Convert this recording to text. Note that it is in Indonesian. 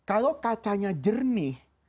kalau kacanya jernih